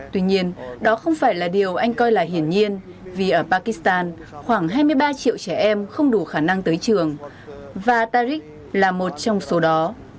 tuy nhiên đó không phải là điều anh coi là hiển nhiên vì ở pakistan khoảng hai mươi ba triệu trẻ em không đủ khả năng tới trường và tarik là một trong số đó